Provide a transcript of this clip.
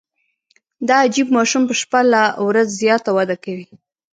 دا عجیب ماشوم په شپه له ورځ زیاته وده کوي.